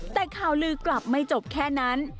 แต่ข่าวลือกลับไม่จบแค่นั้น